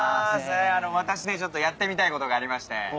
私ねちょっとやってみたいことがありまして。